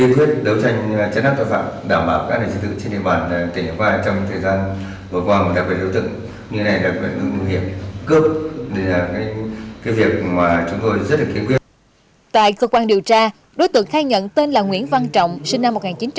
tại cơ quan điều tra đối tượng khai nhận tên là nguyễn văn trọng sinh năm một nghìn chín trăm tám mươi